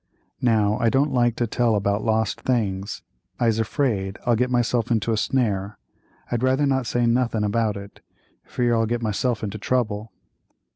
Now I don't like to tell about lost things; I'se 'fraid I'll get myself into a snare; I'd rather not say nothing about it; fear I'll get myself into trouble."